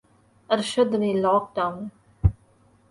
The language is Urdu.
ارشد نے لاک ڈاؤن